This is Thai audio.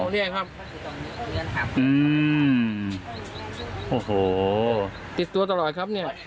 เรียนครับอืมโอ้โหติดตัวตลอดครับเนี่ย